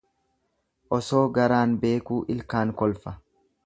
Osoo garaan beekuu ilkaan kolfa.